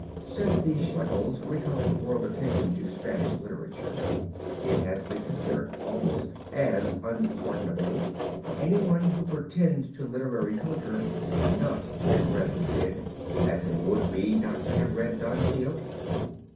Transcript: Since the Schlegels recalled world attention to Spanish literature, it has been considered almost as unpardonable for anyone who pretended to literary culture not to have read the Cid, as it would be not to have read Don Quixote.